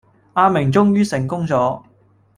阿明終於成功咗